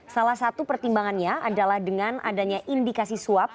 salah satu pertimbangannya adalah dengan adanya indikasi suap